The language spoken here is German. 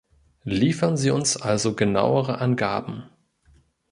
Liefern Sie uns also genauere Angaben.